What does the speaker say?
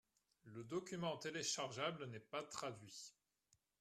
Le document téléchargeable n’est pas traduit.